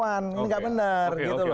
ini tidak benar